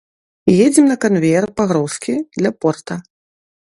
Едзем на канвеер пагрузкі для порта.